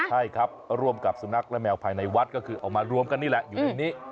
ใช่ครับร่วมกับสุนัขและแมวภายในวัดก็คือเอามารวมกันนี่แหละอยู่ในนี้